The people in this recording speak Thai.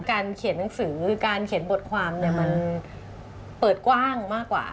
การเขียนหนังสือการเขียนบทความเนี่ยมันเปิดกว้างมากกว่า